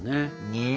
ねえ。